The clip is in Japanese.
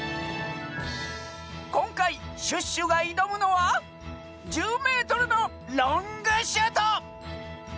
こんかいシュッシュがいどむのは１０メートルのロングシュート！